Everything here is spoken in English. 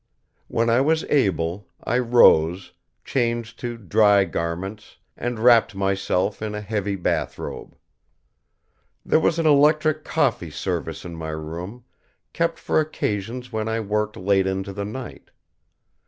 When I was able, I rose, changed to dry garments and wrapped myself in a heavy bathrobe. There was an electric coffee service in my room kept for occasions when I worked late into the night.